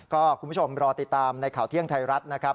ก็คุณผู้ชมรอติดตามในข่าวเที่ยงไทยรัฐนะครับ